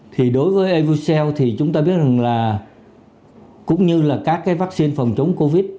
thì đối với evocell thì chúng ta biết rằng là cũng như là các cái vaccine phòng chống covid